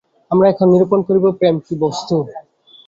আমরা এখন নিরূপণ করিব, প্রেম কি বস্তু।